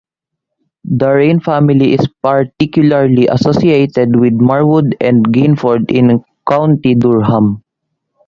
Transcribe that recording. The Rayne family is particularly associated with Marwood and Gainford in County Durham.